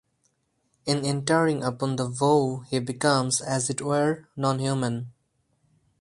In entering upon the vow he becomes, as it were, nonhuman.